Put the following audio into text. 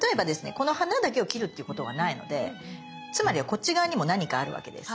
この花だけを切るっていうことはないのでつまりはこっち側にも何かあるわけです。